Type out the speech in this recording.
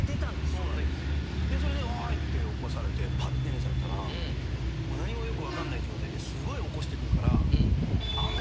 それで「おい！」って起こされてパッて目覚めたら何もよく分かんない状態ですごい起こしてくるから。